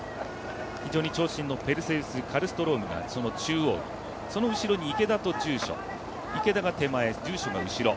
非常に長身のペルセウス・カルストロームがその中央、その後ろに池田と住所、池田が手前、住所がうしろ。